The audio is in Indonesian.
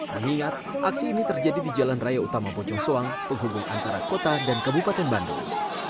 mengingat aksi ini terjadi di jalan raya utama bojong soang penghubung antara kota dan kabupaten bandung